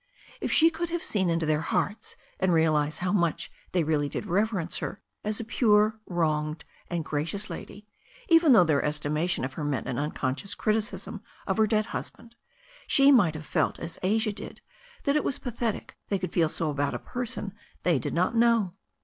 If she could have seen into their hearts and realized how much they really did THE STORY OF A NEW ZEALAND RIVER 429 reverence her as a pure, wronged and gracious lady, even though their estimation of her meant an unconscious criti cism of her dead husband, she might have felt, as Asia did, that it was pathetic they could feel so about a person they did not know.